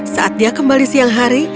saat dia kembali siang hari